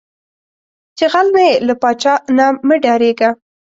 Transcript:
چې غل نۀ یې، لۀ پاچا نه مۀ ډارېږه